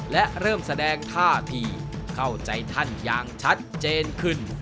และเริ่มแสดงท่าทีเข้าใจท่านอย่างชัดเจนขึ้น